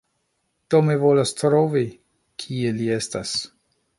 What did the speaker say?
Do, mi volas trovi... kie li estas